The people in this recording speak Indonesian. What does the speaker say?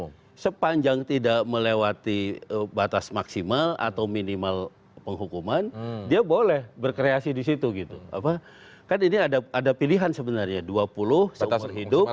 kalau sepanjang tidak melewati batas maksimal atau minimal penghukuman dia boleh berkreasi di situ gitu apa kan ini ada pilihan sebenarnya dua puluh seumur hidup